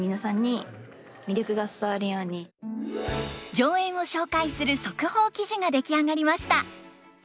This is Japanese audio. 上演を紹介する速報記事が出来上がりました。